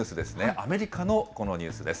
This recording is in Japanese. アメリカのこのニュースです。